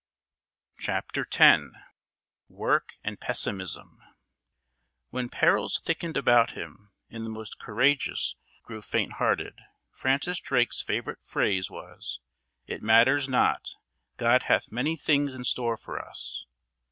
Chapter X Work and Pessimism When perils thickened about him and the most courageous grew faint hearted, Francis Drake's favourite phrase was: "It matters not; God hath many things in store for us."